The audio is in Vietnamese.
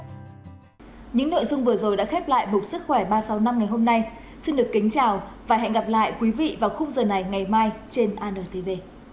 những nội dung vừa rồi đã khép lại mục sức khỏe ba trăm sáu mươi năm ngày hôm nay xin được kính chào và hẹn gặp lại quý vị vào khung giờ này ngày mai trên antv